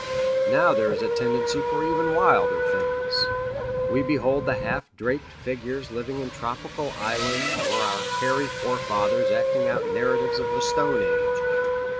Now there is a tendency for even wilder things. We behold the half draped figures living in tropical islands or our hairy fore fathers acting out narratives of the stone age.